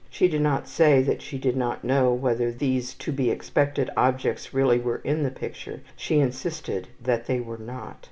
She did not say that she did not know whether these to be expected objects really were in the picture she insisted that they were not.)